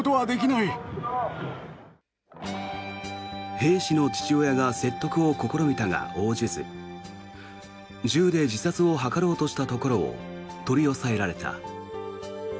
兵士の父親が説得を試みたが、応じず銃で自殺を図ろうとしたところを取り押さえられた。